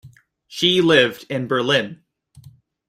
She lived in Berlin.